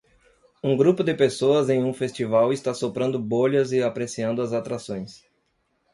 Um grupo de pessoas em um festival está soprando bolhas e apreciando as atrações.